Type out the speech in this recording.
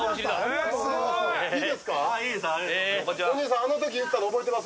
お兄さん、あのとき言ったの覚えてます？